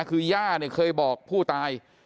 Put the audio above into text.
คือย่าเนี่ยเคยบอกผู้ตาย